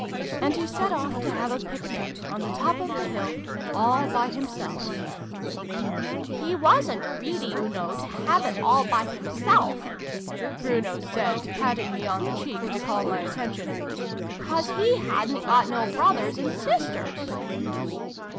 And he set off to have a Picnic, on the top of the hill, all by himself " He wasn't greedy, oo know, to have it all by himself," Bruno said, patting me on the xiv] BRUNO'S PICNIC. 225 cheek to call my attention ;" 'cause he hadn't got no brothers and sisters."